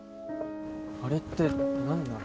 あれって何なの？